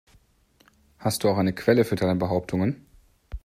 Hast du auch eine Quelle für deine Behauptungen?